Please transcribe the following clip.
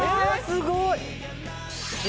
すごい！